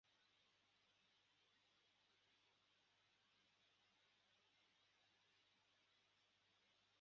Ubwa mbere, umuhungu ntiyitaye cyane kumpanuro zanjye.